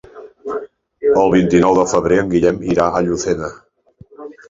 El vint-i-nou de febrer en Guillem irà a Llucena.